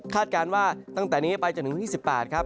การว่าตั้งแต่นี้ไปจนถึงวันที่๑๘ครับ